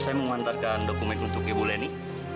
saya mau mengantarkan dokumen untuk ibu lenny